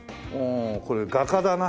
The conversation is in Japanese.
あこれ画家だな。